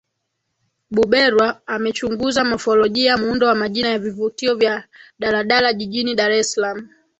Buberwa amechunguza mofolojia muundo wa majina ya vituo vya daladala jijini Dar es Salaam